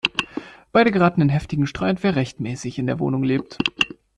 Beide geraten in heftigen Streit, wer rechtmäßig in der Wohnung lebt.